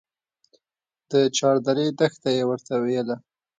د چاردرې دښته يې ورته ويله.